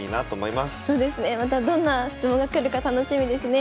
またどんな質問が来るか楽しみですね。